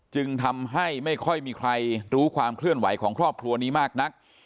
จึงทำให้ไม่ค่อยมีใครรู้ความเคลื่อนไหวของครอบครัวนี้มากนัก